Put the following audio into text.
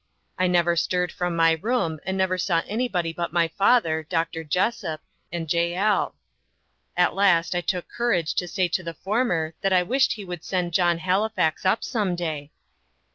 I never stirred from my room, and never saw anybody but my father, Dr. Jessop, and Jael. At last I took courage to say to the former that I wished he would send John Halifax up some day.